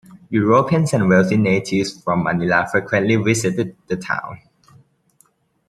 Europeans and wealthy natives from Manila frequently visited the town.